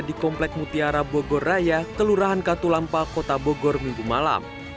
di komplek mutiara bogor raya kelurahan katulampa kota bogor minggu malam